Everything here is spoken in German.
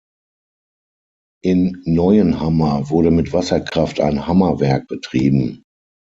In Neuenhammer wurde mit Wasserkraft ein Hammerwerk betrieben.